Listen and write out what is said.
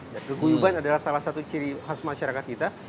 dan keguyuban adalah salah satu ciri khas masyarakat kita